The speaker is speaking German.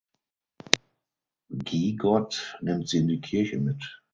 Gigot nimmt sie in die Kirche mit.